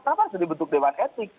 kenapa harus dibentuk dewan etik